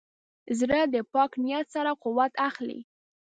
زړه د پاک نیت سره قوت اخلي.